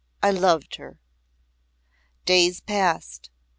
I loved her. Days passed.